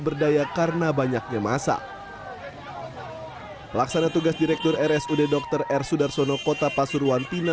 berdaya karena banyaknya masa pelaksana tugas direktur rsud dr r sudarsono kota pasuruan tina